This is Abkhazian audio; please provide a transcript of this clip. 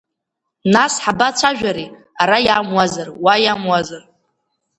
Нас, ҳабацәажәари, ара иамуазар, уа иамуазар!